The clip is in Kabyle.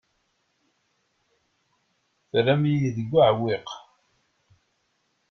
Terram-iyi deg uɛewwiq.